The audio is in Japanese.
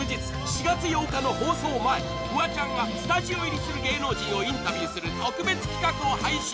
４月８日の放送前フワちゃんがスタジオ入りする芸能人をインタビューする特別企画を配信